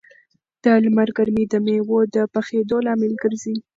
د لمر ګرمي د مېوو د پخېدو لامل ګرځي.